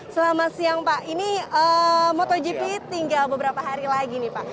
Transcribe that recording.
selamat siang pak ini motogp tinggal beberapa hari lagi nih pak